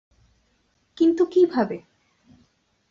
কিন্তু কিভাবে?